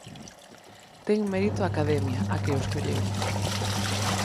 Ten mérito a Academia, a que o escolleu.